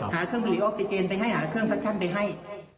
หาเครื่องผลิตออกซิเจนไปให้หาเครื่องฟักชั่นไปให้